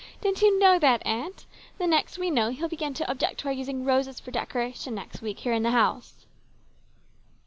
Didn't you know that aunt? The next we know he will begin to object to our using roses for decoration next week here in the house."